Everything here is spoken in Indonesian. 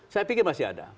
saya pikir masih ada